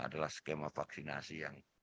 adalah skema vaksinasi yang